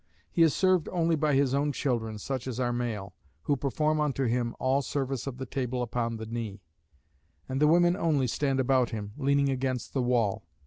He is served only by his own children, such as are male; who perform unto him all service of the table upon the knee; and the women only stand about him, leaning against the wall.